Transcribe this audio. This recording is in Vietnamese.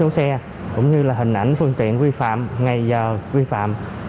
hệ thống sẽ tự động nhận diện biển số xe hình ảnh phương tiện vi phạm ngày giờ vi phạm